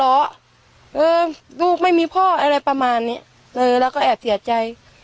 เออลูกไม่มีพ่ออะไรประมาณเนี้ยเออเราก็แอบเสียใจ